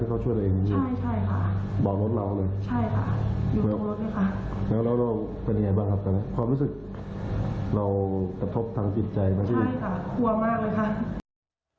แล้วเราเป็นยังไงบ้างครับตอนนี้ความรู้สึกเรากระทบทั้งสิทธิ์ใจมาที่